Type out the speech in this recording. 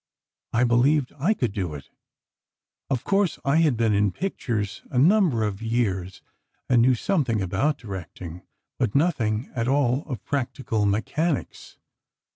I believed I could do it. Of course, I had been in pictures a number of years, and knew something about directing, but nothing at all of practical mechanics.